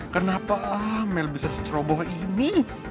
kenapa amel bisa seceroboh ini